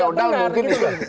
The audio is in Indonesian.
kalau dalam dunia feodal mungkin